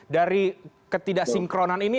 dari ketidaksinkronan ini